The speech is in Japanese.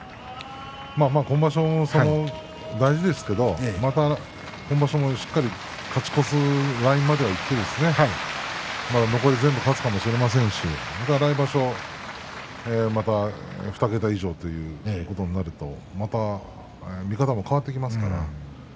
今場所も大事ですけども今場所も勝ち越すラインまでしっかりといって残り全部勝つかもしれませんし来場所また２桁以上ということになるとまた見方も変わってきますからね。